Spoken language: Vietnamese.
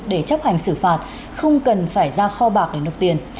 để chấp hành xử phạt không cần phải ra kho bạc để nộp tiền